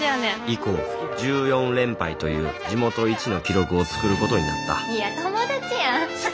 以降１４連敗という地元一の記録を作ることになった好きです！